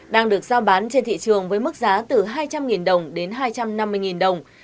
đang được giao bán trên thị trường với mức giá từ hai trăm linh đồng đến hai trăm năm mươi đồng